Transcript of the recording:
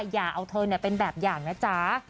อย่าเอาเธอเป็นแบบอย่างนะจ๊ะ